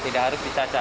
tidak harus dicaca